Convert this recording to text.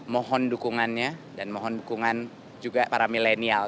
mohon dukungannya dan mohon dukungan juga para milenial